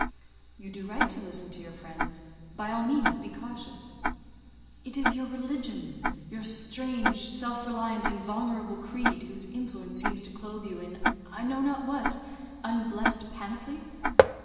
"You do right to listen to your friends. By all means be cautious." "It is your religion—your strange, self reliant, invulnerable creed, whose influence seems to clothe you in, I know not what, unblessed panoply.